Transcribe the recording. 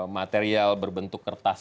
material berbentuk kertas